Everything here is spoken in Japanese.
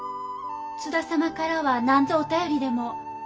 津田様からは何ぞお便りでも？